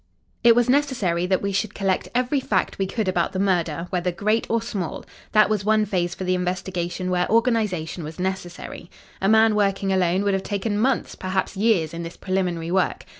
"It was necessary that we should collect every fact we could about the murder, whether great or small. That was one phase for the investigation where organisation was necessary. A man working alone would have taken months, perhaps years, in this preliminary work.